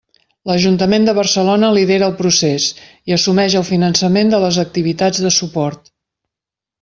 L'Ajuntament de Barcelona lidera el procés i assumeix el finançament de les activitats de suport.